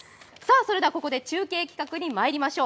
ここで中継企画にまいりましょう。